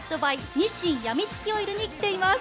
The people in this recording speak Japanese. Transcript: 日清やみつきオイルのブースに来ています。